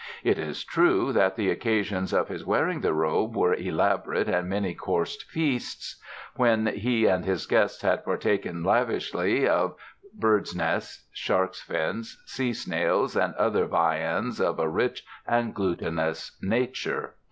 It is true that the occasions of his wearing the robe were elaborate and many coursed feasts, when he and his guests had partaken lavishly of birds' nests, sharks' fins, sea snails and other viands of a rich and glutinous nature.